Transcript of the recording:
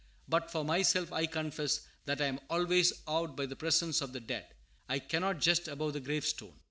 But, for myself, I confess that I am always awed by the presence of the dead. I cannot jest above the gravestone.